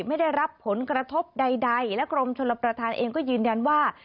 ไม่ได้รับผลกระทบใดและกรมชลประธานเองก็ยืนยันว่า